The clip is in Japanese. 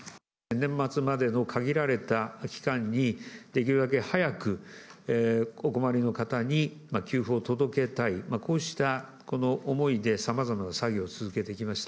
年末までの限られた期間に、できるだけ早く、お困りの方に給付を届けたい、こうしたこの思いでさまざまな作業を続けてきました。